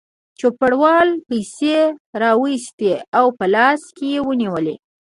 چوپړوال پیسې راوایستې او په لاس کې یې ونیولې.